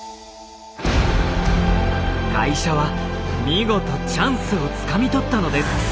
会社は見事チャンスをつかみ取ったのです。